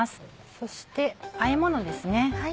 そしてあえものですね。